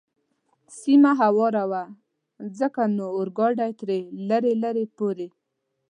سیمه هواره وه، ځکه نو اورګاډی تر لرې لرې پورې.